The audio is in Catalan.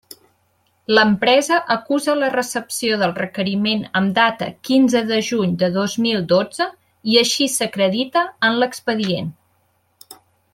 L'empresa acusa la recepció del requeriment amb data quinze de juny de dos mil dotze, i així s'acredita en l'expedient.